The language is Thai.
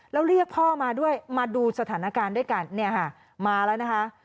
แล้วเรียกพ่อมาด้วยมาดูสถานการณ์ด้วยกันเนี่ยค่ะมาแล้วนะคะ